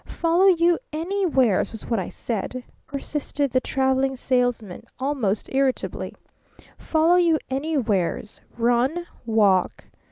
"Follow you 'anywheres,' was what I said," persisted the Traveling Salesman almost irritably. "Follow you 'anywheres'! Run! Walk!